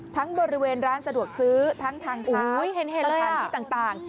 บริเวณร้านสะดวกซื้อทั้งทางเท้าสถานที่ต่าง